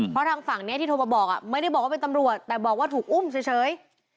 เพราะทางฝั่งนี้ที่โทรมาบอกไม่ได้บอกว่าเป็นตำรวจแต่บอกว่าถูกอุ้มเฉย